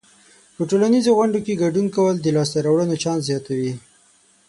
په ټولنیزو غونډو کې ګډون کول د لاسته راوړنو چانس زیاتوي.